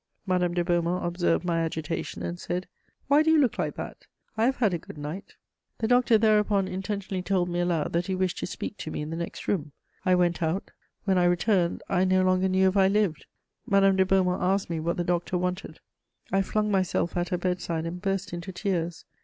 Madame de Beaumont observed my agitation, and said: "Why do you look like that? I have had a good night." The doctor thereupon intentionally told me aloud that he wished to speak to me in the next room. I went out: when I returned, I no longer knew if I lived. Madame de Beaumont asked me what the doctor wanted. I flung myself at her bedside and burst into tears.